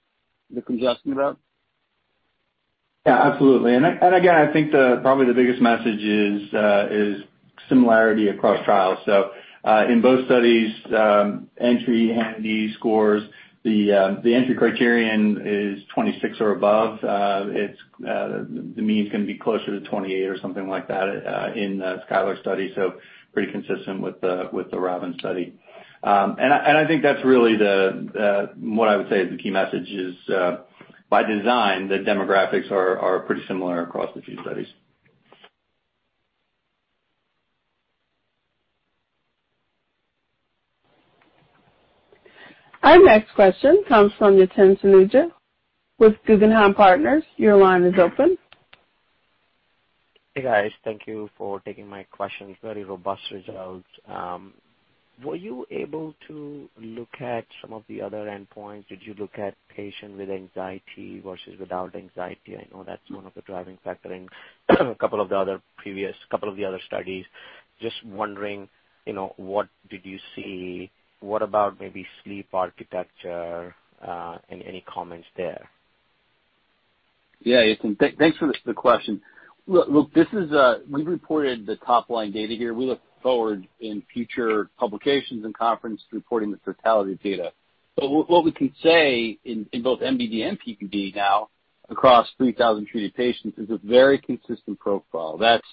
Vikram's asking about? Yeah, absolutely. I think probably the biggest message is similarity across trials. In both studies, entry HAM-D scores, the entry criterion is 26 or above. The mean is gonna be closer to 28 or something like that in the SKYLARK study, so pretty consistent with the ROBIN study. I think that's really what I would say is the key message is by design, the demographics are pretty similar across the two studies. Our next question comes from Yatin Suneja with Guggenheim Securities. Your line is open. Hey, guys. Thank you for taking my questions. Very robust results. Were you able to look at some of the other endpoints? Did you look at patient with anxiety versus without anxiety? I know that's one of the driving factor in a couple of the other studies. Just wondering, you know, what did you see? What about maybe sleep architecture, and any comments there? Yeah. Yatin, thanks for the question. Look, this is, we've reported the top line data here. We look forward in future publications and conference reporting the fertility data. But what we can say in both MDD and PPD now across 3,000 treated patients is a very consistent profile. That's,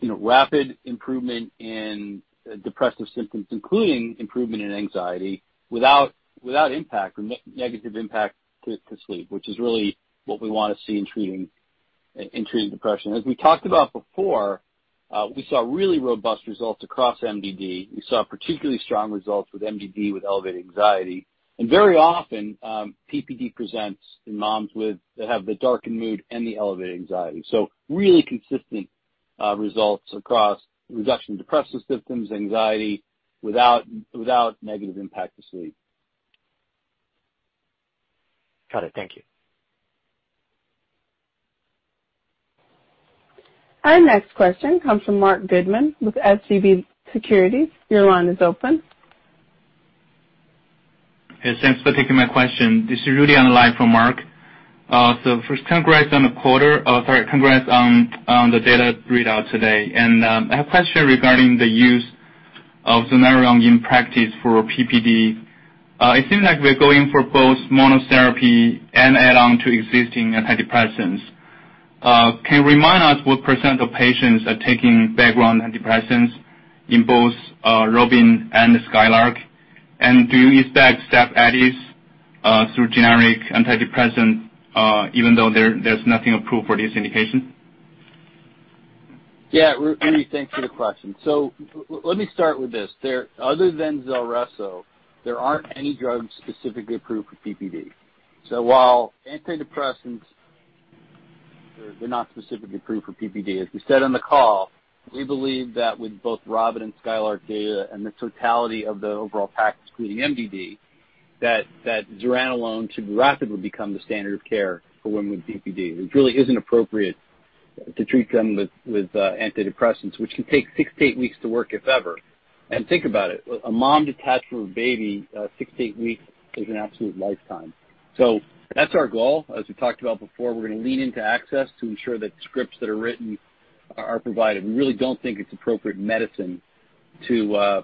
you know, rapid improvement in depressive symptoms, including improvement in anxiety without impact or negative impact to sleep, which is really what we wanna see in treating depression. As we talked about before, we saw really robust results across MDD. We saw particularly strong results with MDD with elevated anxiety. Very often, PPD presents in moms with that have the darkened mood and the elevated anxiety. Really consistent results across reduction in depressive symptoms, anxiety, without negative impact to sleep. Got it. Thank you. Our next question comes from Marc Goodman with Leerink Partners. Your line is open. Yes, thanks for taking my question. This is Rudy on the line for Marc. So first congrats on the data readout today. I have a question regarding the use of Zuranolone in practice for PPD. It seems like we're going for both monotherapy and add-on to existing antidepressants. Can you remind us what percent of patients are taking background antidepressants in both ROBIN and SKYLARK? Do you expect step add-ons through generic antidepressant even though there's nothing approved for this indication? Yeah, Rudy, thanks for the question. Let me start with this. Other than ZULRESSO, there aren't any drugs specifically approved for PPD. While antidepressants, they're not specifically approved for PPD, as we said on the call, we believe that with both ROBIN and SKYLARK data and the totality of the overall package, including MDD, that Zuranolone should rapidly become the standard of care for women with PPD. It really isn't appropriate to treat them with antidepressants, which can take six-eight weeks to work, if ever. Think about it, a mom detached from her baby, six-eight weeks is an absolute lifetime. That's our goal. As we talked about before, we're gonna lean into access to ensure that scripts that are written are provided. We really don't think it's appropriate medicine to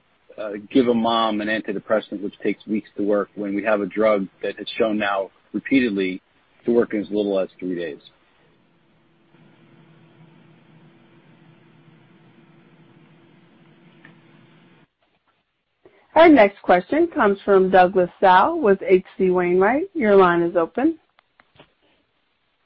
give a mom an antidepressant which takes weeks to work when we have a drug that has shown now repeatedly to work in as little as three days. Our next question comes from Douglas Tsao with H.C. Wainwright. Your line is open.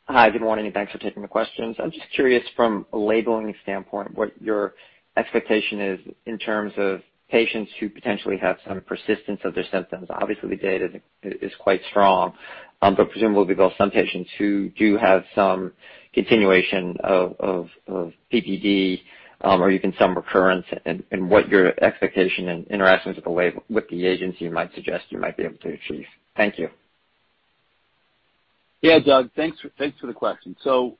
Hi, good morning, and thanks for taking the questions. I'm just curious from a labeling standpoint, what your expectation is in terms of patients who potentially have some persistence of their symptoms. Obviously, the data is quite strong, but presumably there are some patients who do have some continuation of PPD, or even some recurrence, and what your expectation and interactions with the label with the agency might suggest you might be able to achieve. Thank you. Yeah, Doug. Thanks for the question. So,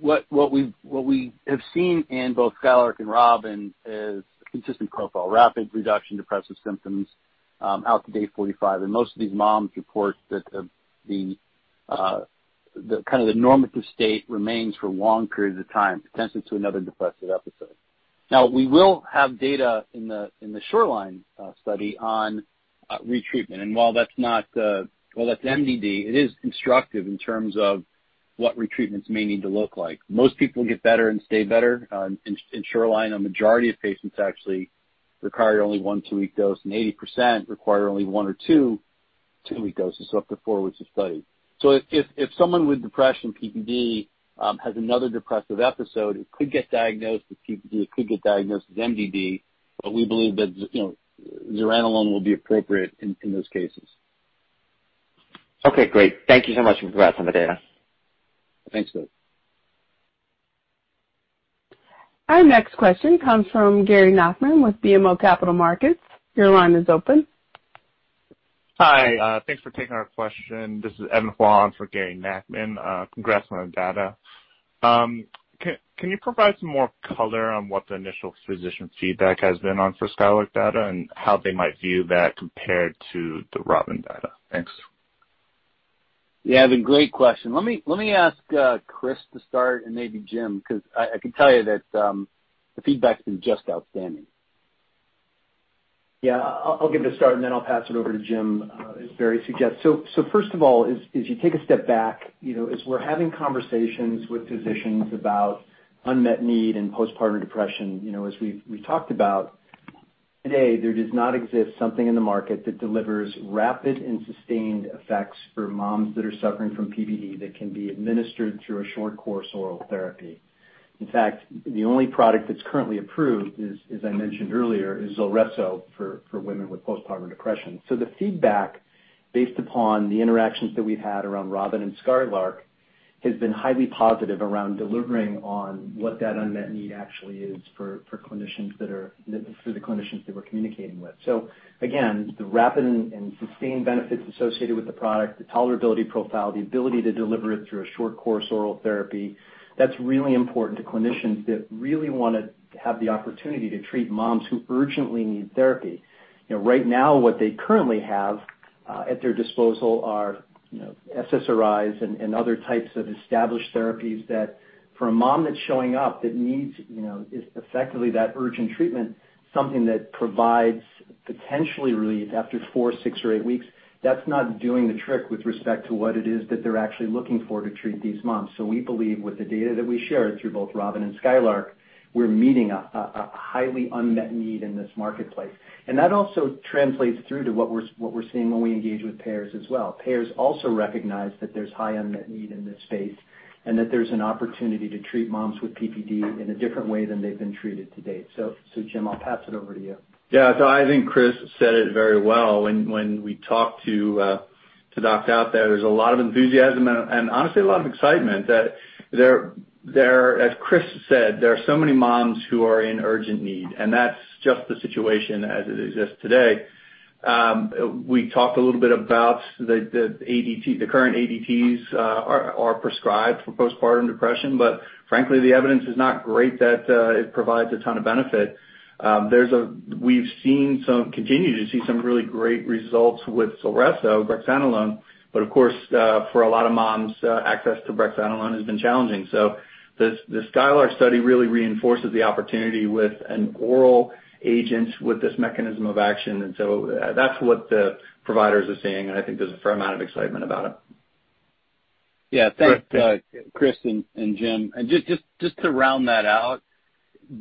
what we have seen in both SKYLARK and ROBIN is a consistent profile. Rapid reduction in depressive symptoms out to day 45. Most of these moms report that the kind of normative state remains for long periods of time, potentially to another depressive episode. Now, we will have data in the Shoreline study on retreatment. While that's not well, that's MDD, it is instructive in terms of what retreatments may need to look like. Most people get better and stay better. In Shoreline, a majority of patients actually require only one two-week dose, and 80% require only one or two two-week doses, so up to four weeks of study. If someone with depression, PPD, has another depressive episode, it could get diagnosed with PPD, it could get diagnosed with MDD, but we believe that, you know, zuranolone will be appropriate in those cases. Okay, great. Thank you so much for congrats on the data. Thanks, Doug. Our next question comes from Gary Nachman with BMO Capital Markets. Your line is open. Hi, thanks for taking our question. This is Evan Huang for Gary Nachman. Congrats on the data. Can you provide some more color on what the initial physician feedback has been on for Skylark data and how they might view that compared to the Robin data? Thanks. Yeah, Evan, great question. Let me ask Chris to start and maybe Jim, 'cause I can tell you that the feedback's been just outstanding. Yeah. I'll give it a start, and then I'll pass it over to Jim, as Barry suggests. First of all, you take a step back, you know, as we're having conversations with physicians about unmet need and postpartum depression, you know, as we've talked about today, there does not exist something in the market that delivers rapid and sustained effects for moms that are suffering from PPD that can be administered through a short course oral therapy. In fact, the only product that's currently approved, as I mentioned earlier, is ZULRESSO for women with postpartum depression. The feedback, based upon the interactions that we've had around ROBIN and SKYLARK, has been highly positive around delivering on what that unmet need actually is for the clinicians that we're communicating with. Again, the rapid and sustained benefits associated with the product, the tolerability profile, the ability to deliver it through a short course oral therapy, that's really important to clinicians that really wanna have the opportunity to treat moms who urgently need therapy. You know, right now what they currently have at their disposal are, you know, SSRIs and other types of established therapies that for a mom that's showing up that needs, you know, effectively that urgent treatment, something that provides potentially relief after four, six, or eight weeks, that's not doing the trick with respect to what it is that they're actually looking for to treat these moms. We believe with the data that we shared through both ROBIN and SKYLARK, we're meeting a highly unmet need in this marketplace. That also translates through to what we're seeing when we engage with payers as well. Payers also recognize that there's high unmet need in this space and that there's an opportunity to treat moms with PPD in a different way than they've been treated to date. Jim, I'll pass it over to you. Yeah. I think Chris said it very well when we talked to docs out there. There's a lot of enthusiasm and honestly a lot of excitement that, as Chris said, there are so many moms who are in urgent need. That's just the situation as it exists today. We talked a little bit about the ADT, the current ADTs are prescribed for postpartum depression, but frankly, the evidence is not great that it provides a ton of benefit. We continue to see some really great results with ZULRESSO Brexanolone, but of course, for a lot of moms, access to Brexanolone has been challenging. The SKYLARK study really reinforces the opportunity with an oral agent with this mechanism of action. That's what the providers are seeing, and I think there's a fair amount of excitement about it. Yeah. Thanks, Chris and Jim. To round that out.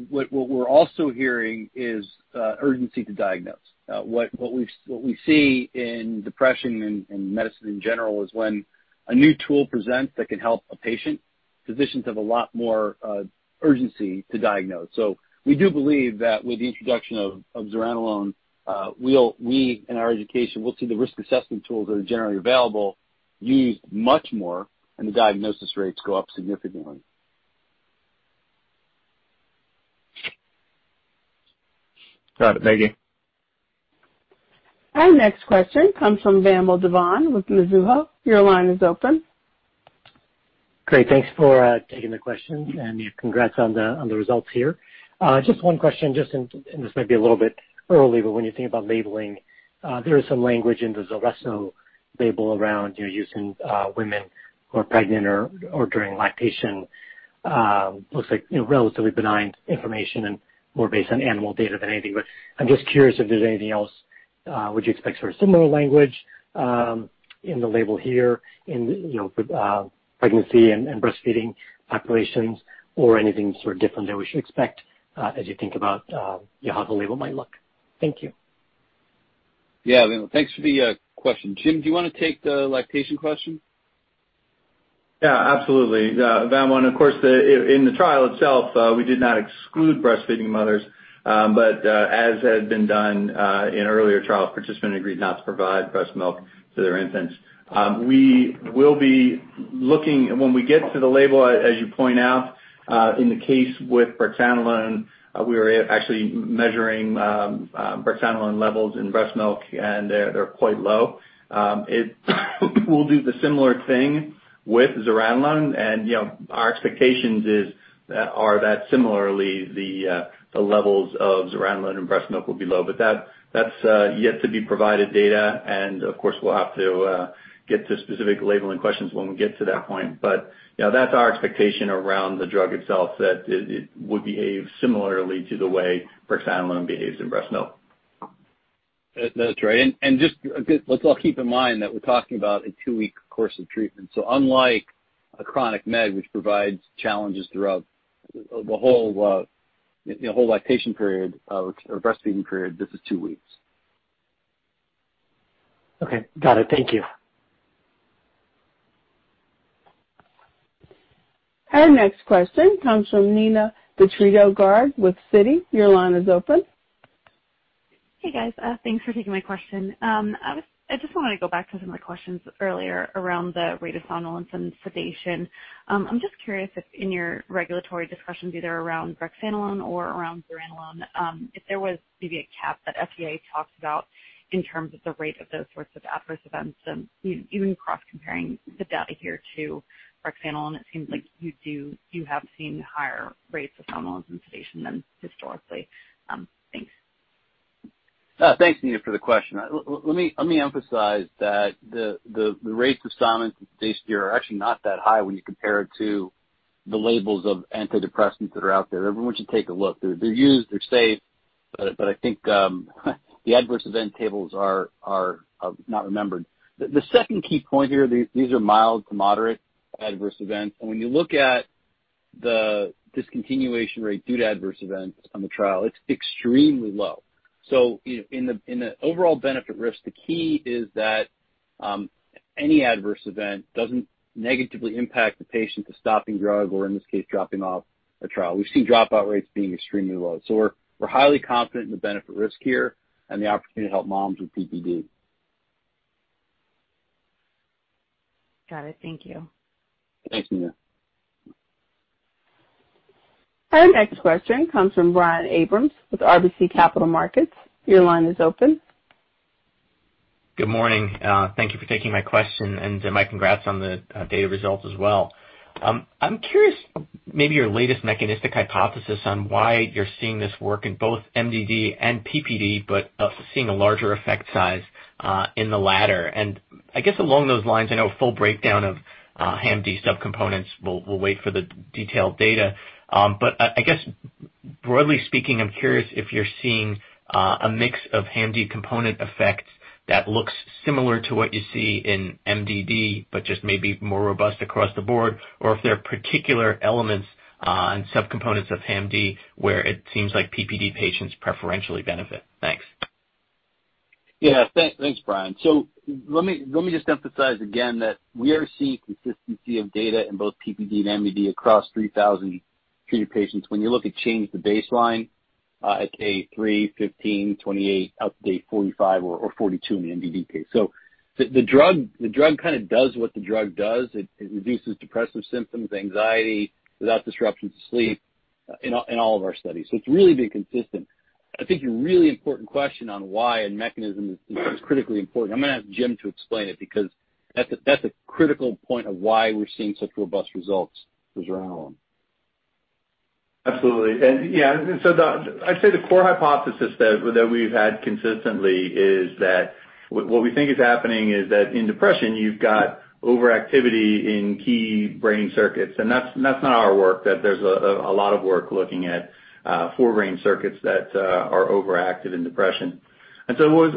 What we're also hearing is urgency to diagnose. What we see in depression and medicine in general is when a new tool presents that can help a patient, physicians have a lot more urgency to diagnose. We do believe that with the introduction of Zuranolone, we, in our education, will see the risk assessment tools that are generally available used much more, and the diagnosis rates go up significantly. Got it. Thank you. Our next question comes from Vamil Divan with Mizuho. Your line is open. Great. Thanks for taking the questions, and congrats on the results here. Just one question, and this may be a little bit early, but when you think about labeling, there is some language in the ZULRESSO label around, you know, use in women who are pregnant or during lactation. Looks like, you know, relatively benign information and more based on animal data than anything. But I'm just curious if there's anything else. Would you expect sort of similar language in the label here in, you know, pregnancy and breastfeeding populations or anything sort of different that we should expect, as you think about, you know, how the label might look? Thank you. Yeah. Thanks for the question. Jim, do you wanna take the lactation question? Yeah, absolutely. Vamil, and of course, in the trial itself, we did not exclude breastfeeding mothers. As had been done in earlier trials, participants agreed not to provide breast milk to their infants. We will be looking when we get to the label, as you point out, in the case with Brexanolone, we were actually measuring Brexanolone levels in breast milk, and they're quite low. We'll do the similar thing with Zuranolone. You know, our expectations are that similarly, the levels of Zuranolone in breast milk will be low. That's yet to be provided data. Of course, we'll have to get to specific labeling questions when we get to that point. You know, that's our expectation around the drug itself, that it would behave similarly to the way Brexanolone behaves in breast milk. That's right. Just a good. Let's all keep in mind that we're talking about a two-week course of treatment. Unlike a chronic med, which provides challenges throughout the whole lactation period or breastfeeding period, this is two weeks. Okay. Got it. Thank you. Our next question comes from Neena Bitritto-Garg with Citi. Your line is open. Hey, guys. Thanks for taking my question. I just wanna go back to some of the questions earlier around the rate of somnolence and sedation. I'm just curious if in your regulatory discussions, either around Brexanolone or around Zuranolone, if there was maybe a cap that FDA talked about in terms of the rate of those sorts of adverse events. You know, even cross-comparing the data here to Brexanolone, it seems like you have seen higher rates of somnolence and sedation than historically. Thanks. Thanks, Neena, for the question. Let me emphasize that the rates of somnolence and sedation here are actually not that high when you compare it to the labels of antidepressants that are out there. Everyone should take a look. They're used, they're safe, but I think the adverse event tables are not remembered. The second key point here, these are mild to moderate adverse events, and when you look at the discontinuation rate due to adverse events on the trial, it's extremely low. In the overall benefit risk, the key is that any adverse event doesn't negatively impact the patient to stopping drug or in this case, dropping off a trial. We see dropout rates being extremely low. We're highly confident in the benefit risk here and the opportunity to help moms with PPD. Got it. Thank you. Thanks, Neena. Our next question comes from Brian Abrahams with RBC Capital Markets. Your line is open. Good morning. Thank you for taking my question and my congrats on the data results as well. I'm curious, maybe your latest mechanistic hypothesis on why you're seeing this work in both MDD and PPD, but seeing a larger effect size in the latter. I guess along those lines, I know a full breakdown of HAM-D subcomponents. We'll wait for the detailed data. But I guess broadly speaking, I'm curious if you're seeing a mix of HAM-D component effects that looks similar to what you see in MDD, but just maybe more robust across the board, or if there are particular elements and subcomponents of HAM-D where it seems like PPD patients preferentially benefit. Thanks. Thanks, Brian. Let me just emphasize again that we are seeing consistency of data in both PPD and MDD across 3,000 treated patients. When you look at change from the baseline at day three, 15, 28, out to day 45 or 42 in the MDD case. The drug kinda does what the drug does. It reduces depressive symptoms, anxiety without disruptions to sleep in all of our studies. It's really been consistent. I think the really important question on why and mechanism is critically important. I'm gonna ask Jim to explain it because that's a critical point of why we're seeing such robust results with Zuranolone. Absolutely. I'd say the core hypothesis that we've had consistently is that what we think is happening is that in depression you've got overactivity in key brain circuits, and that's not our work. There's a lot of work looking at four brain circuits that are overactive in depression. What both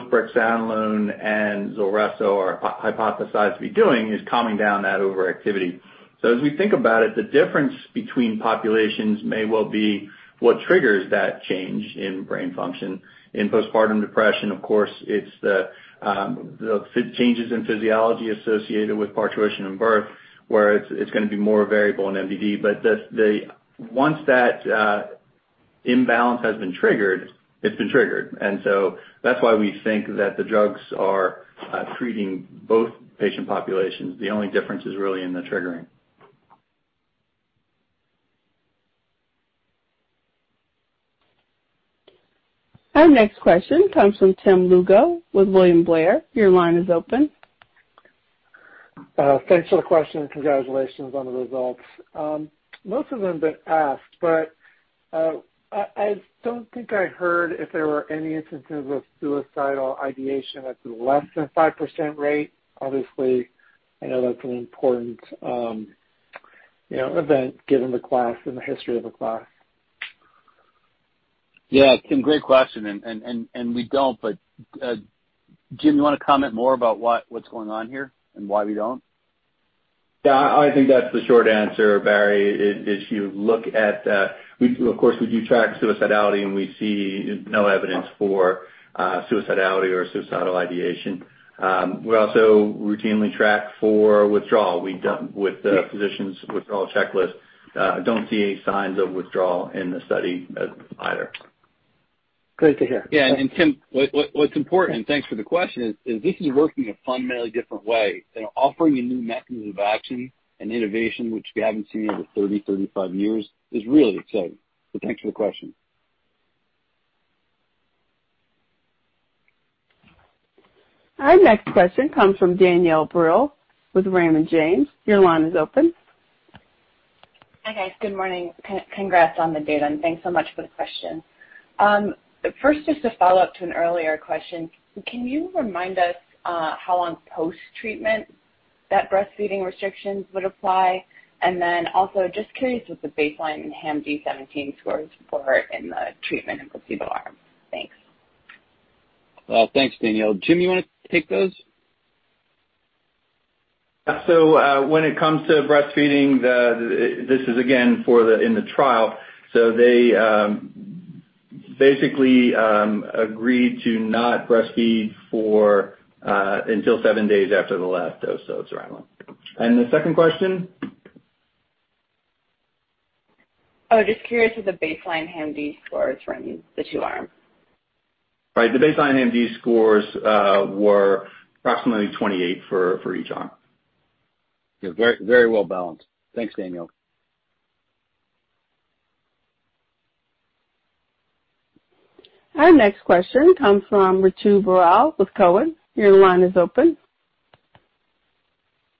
Brexanolone and ZULRESSO are hypothesized to be doing is calming down that overactivity. As we think about it, the difference between populations may well be what triggers that change in brain function. In postpartum depression, of course, it's the changes in physiology associated with parturition and birth, where it's gonna be more variable in MDD. Once that imbalance has been triggered, it's been triggered. That's why we think that the drugs are treating both patient populations. The only difference is really in the triggering. Our next question comes from Tim Lugo with William Blair. Your line is open. Thanks for the question and congratulations on the results. Most of them have been asked, but I don't think I heard if there were any instances of suicidal ideation at the less than 5% rate. Obviously, I know that's an important you know event given the class and the history of the class. Yeah, Tim, great question. We don't, but Jim, you wanna comment more about what's going on here and why we don't? Yeah, I think that's the short answer, Barry, is you look at. Of course, we do track suicidality, and we see no evidence for suicidality or suicidal ideation. We also routinely track for withdrawal. With the physician's withdrawal checklist, don't see any signs of withdrawal in the study, either. Great to hear. Tim, what's important, and thanks for the question, is this working a fundamentally different way. You know, offering a new mechanism of action and innovation, which we haven't seen in over 35 years, is really exciting. Thanks for the question. Our next question comes from Danielle Brill with Raymond James. Your line is open. Hi, guys. Good morning. Congrats on the data, and thanks so much for the question. First, just to follow up to an earlier question, can you remind us how long post-treatment that breastfeeding restrictions would apply? And then also just curious what the baseline in HAM-D 17 scores were in the treatment and placebo arm. Thanks. Well, thanks, Danielle. Jim, you wanna take those? When it comes to breastfeeding, this is again in the trial. They basically agreed to not breastfeed until seven days after the last dose of zuranolone. The second question? Oh, just curious of the baseline HAM-D scores from the two arms. Right. The baseline HAM-D scores were approximately 28 for each arm. Yeah. Very, very well balanced. Thanks, Danielle. Our next question comes from Ritu Baral with Cowen. Your line is open.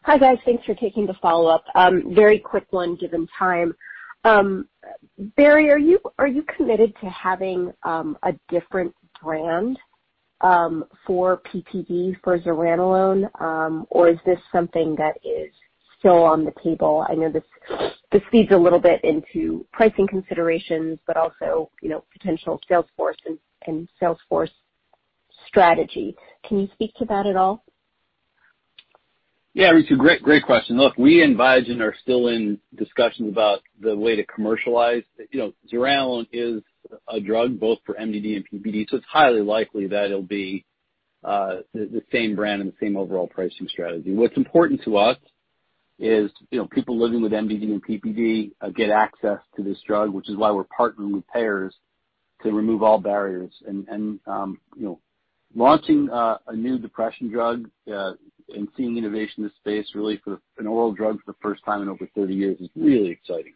Hi, guys. Thanks for taking the follow-up. Very quick one, given time. Barry, are you committed to having a different brand for PPD for Zuranolone? Or is this something that is still on the table? I know this feeds a little bit into pricing considerations, but also, you know, potential sales force and sales force strategy. Can you speak to that at all? Yeah. Ritu, great question. Look, we and Biogen are still in discussions about the way to commercialize. You know, Zuranolone is a drug both for MDD and PPD, so it's highly likely that it'll be the same brand and the same overall pricing strategy. What's important to us is, you know, people living with MDD and PPD get access to this drug, which is why we're partnering with payers to remove all barriers. You know, launching a new depression drug and seeing innovation in this space really for an oral drug for the first time in over 30 years is really exciting.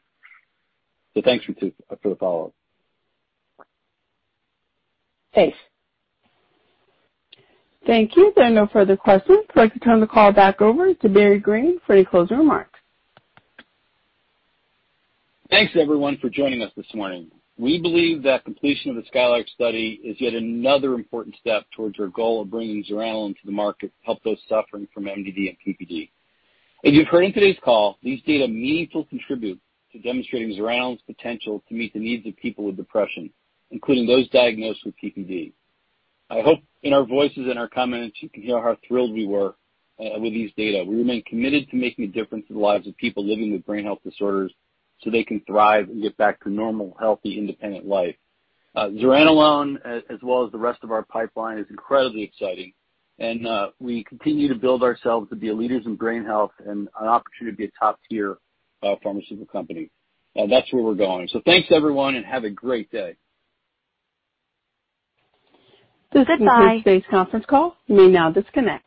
Thanks, Ritu, for the follow-up. Thanks. Thank you. There are no further questions. I'd like to turn the call back over to Barry Greene for any closing remarks. Thanks everyone for joining us this morning. We believe that completion of the SKYLARK study is yet another important step towards our goal of bringing Zuranolone to the market to help those suffering from MDD and PPD. As you've heard in today's call, these data meaningfully contribute to demonstrating Zuranolone's potential to meet the needs of people with depression, including those diagnosed with PPD. I hope in our voices and our comments, you can hear how thrilled we were with these data. We remain committed to making a difference in the lives of people living with brain health disorders, so they can thrive and get back to normal, healthy, independent life. Zuranolone, as well as the rest of our pipeline, is incredibly exciting, and we continue to build ourselves to be leaders in brain health and an opportunity to be a top-tier pharmaceutical company. That's where we're going. Thanks everyone, and have a great day. Goodbye. This concludes today's conference call. You may now disconnect.